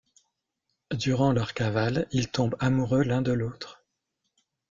Durant leur cavale, ils tombent amoureux l'un de l'autre.